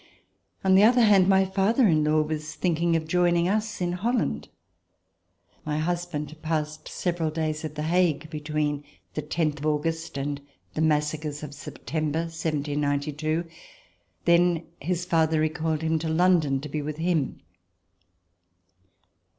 On the other hand, my father in law was thinking of joining us in Holland. My husband passed several days at The Hague between the tenth of August and the massacres of September, 1792. Then his father recalled him to London to be with him.